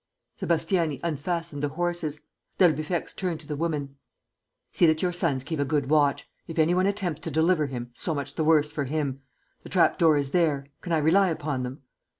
Sébastiani unfastened the horses. D'Albufex turned to the woman: "See that your sons keep a good watch.... If any one attempts to deliver him, so much the worse for him. The trapdoor is there. Can I rely upon them?"